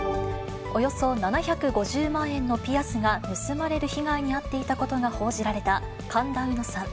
およそ７５０万円のピアスが盗まれる被害に遭っていたことが報じられた神田うのさん。